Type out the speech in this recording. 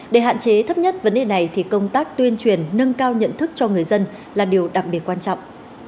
để hạn chế thấp nhất vấn đề này thì công tác tuyên truyền nâng cao nhận thức cho người dân là điều đặc biệt quan trọng